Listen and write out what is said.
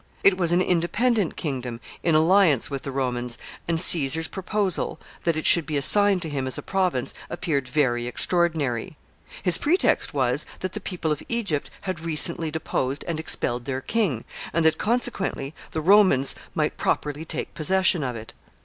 It was an independent kingdom, in alliance with the Romans, and Caesar's proposal that it should be assigned to him as a province appeared very extraordinary. His pretext was, that the people of Egypt had recently deposed and expelled their king, and that, consequently, the Romans might properly take possession of it.